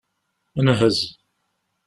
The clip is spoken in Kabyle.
Nhez.